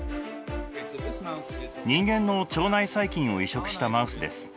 人間の腸内細菌を移植したマウスです。